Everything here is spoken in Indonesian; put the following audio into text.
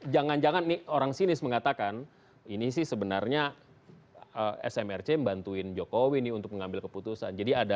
jangan jangan nih orang sinis mengatakan ini sih sebenarnya smrc membantuin jokowi nih untuk mengambil keputusan